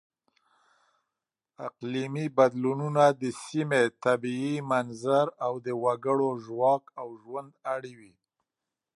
اقلیمي بدلونونه د سیمې طبیعي منظر او د وګړو ژواک او ژوند اړوي.